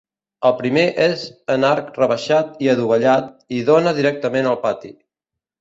El primer és en arc rebaixat i adovellat, i dóna directament al pati.